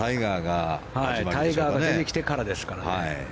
タイガーが出てきてからですから。